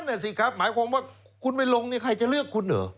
นั่นสิครับหมายความว่าคุณไปลงนี่ใครจะเลือกคุณเหรอ